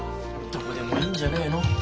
どこでもいいんじゃねえの。